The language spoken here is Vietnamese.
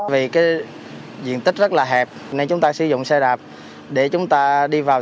vì cái diện tích rất là hẹp nên chúng ta sử dụng xe đạp để chúng ta đi vào